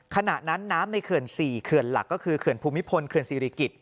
ขณะนั้นน้ำในเขื่อน๔เขื่อนหลักก็คือเขื่อนภูมิพลเขื่อนศิริกิจ